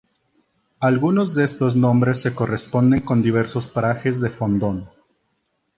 Algunos de estos nombres se corresponden con diversos parajes de Fondón.